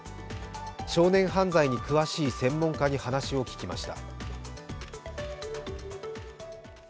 少年犯罪に詳しい専門家に話を聞きました。